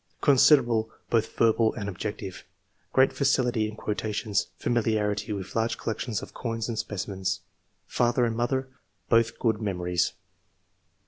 Considerable, both verbal and objective ; great facility in quotations ; familiarity with large collections of coins and specimens. ''Father and Mother — both good memories."